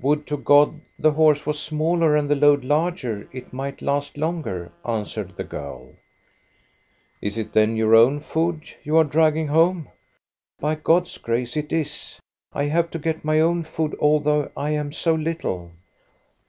"Would to God the horse was smaller and the load larger; it might last longer," answered the girl. "Is it then your own food you are dragging home?'' " By God's grace it is ; I have to get my own food, although I am so little."